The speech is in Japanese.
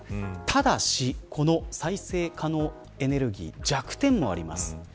ただし、この再生可能エネルギー弱点もあります。